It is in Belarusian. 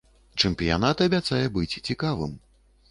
Чэмпіянат абяцае быць цікавым.